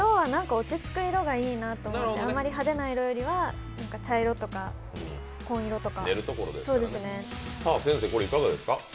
落ち着く色がいいなと思って、あまり派手な色よりは、茶色とか紺色とか。